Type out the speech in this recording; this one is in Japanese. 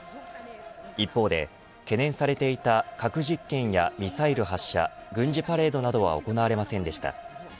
一方で懸念されていた核実験やミサイル発射軍事パレードなどは行われませんでした。